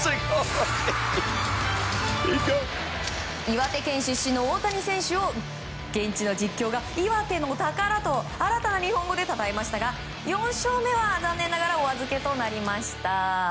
岩手県出身の大谷選手を現地の実況がイワテノタカラと新たな日本語でたたえましたが４勝目は残念ながらお預けとなりました。